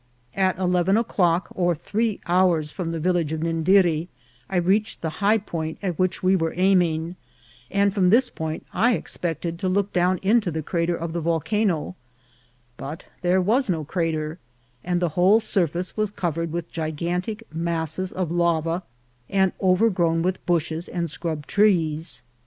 At eleven o'clock, or three hours from the village of Nindiri, I reached the high point at which we were aiming ; and from this point I expected to look down into the crater of the volcano ; but there was no crater, and the whole surface was covered with gigantic mass es of lava, and overgrown with bushes and scrub trees.